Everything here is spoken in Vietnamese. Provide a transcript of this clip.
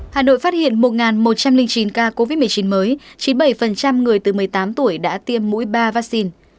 hà nội phát hiện một một trăm linh chín ca covid một mươi chín mới chín mươi bảy người từ một mươi tám tuổi đã tiêm mũi ba vaccine